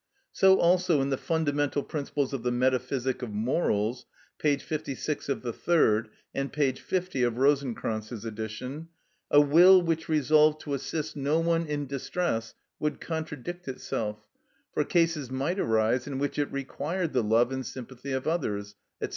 So also in the "Fundamental Principles of the Metaphysic of Morals" (p. 56 of the third, and p. 50 of Rosenkranz's, edition): "A will which resolved to assist no one in distress would contradict itself, for cases might arise in which it required the love and sympathy of others," &c.